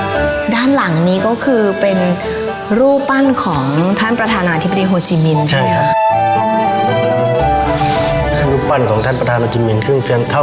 ด้านหลังนี้ก็คือเป็นรูปปั้นของท่านประธานาธิบดีโฮจิมินใช่ไหมคะ